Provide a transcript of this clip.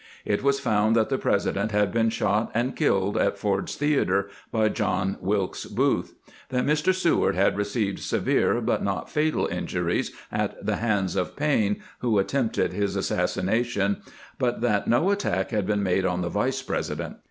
It was found that the President had been shot and killed at Ford's Theater by John Wilkes Booth; that Mr. Seward had received severe but not fatal injuries at the hands of Payne, who attempted his assassination ; but that no attack had been made on the Vice President.